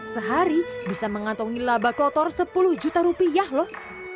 sehari bisa mengantongi laba kotor sepuluh juta rupiah loh